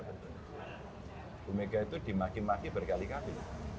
bumega itu dimaki maki berkali kali